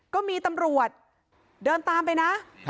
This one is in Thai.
ก็มีตำรวจเดินตามไปนะ